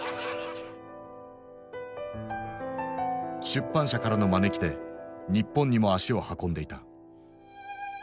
出版社からの招きで日本にも足を運んでいた。